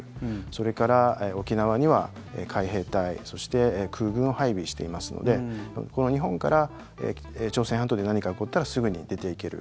それから沖縄には海兵隊そして、空軍を配備していますので日本から朝鮮半島に何か起こったらすぐに出ていける。